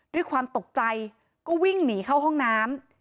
ด้วยความตกใจก็วิ่งหนีเข้าห้องน้ำ